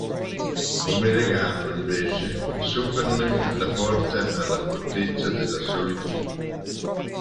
Come regalo, invece, Superman la porta alla fortezza della solitudine.